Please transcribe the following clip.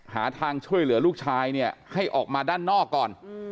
หาทางช่วยเหลือลูกชายเนี่ยให้ออกมาด้านนอกก่อน